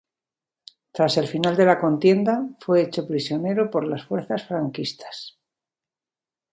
Tras el final de la contienda fue hecho prisionero por las fuerzas franquistas.